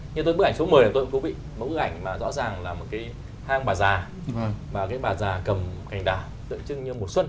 như bức ảnh số một mươi này tôi cũng thú vị một bức ảnh mà rõ ràng là một cái hang bà già mà cái bà già cầm cành đà tượng trưng như mùa xuân